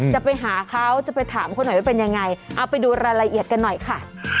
จะไปหาเขาจะไปถามเขาหน่อยว่าเป็นยังไงเอาไปดูรายละเอียดกันหน่อยค่ะ